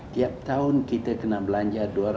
tiap tahun kita kena belanja